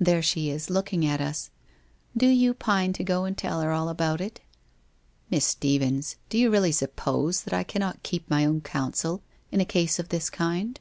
There she is looking at us! Do you pine to go and tell her all about it ?'' Miss Stephens, do you really suppose that I cannot keep my own counsel in a case of this kind?'